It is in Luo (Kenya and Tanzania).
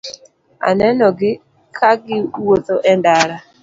Anenogi kagi wuotho e ndara.